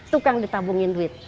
tukang ditabungin duit